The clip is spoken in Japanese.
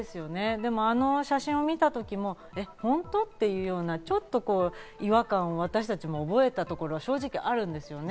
でもあの写真を見た時にも本当？という違和感を私たちも覚えたところが正直あるんですね。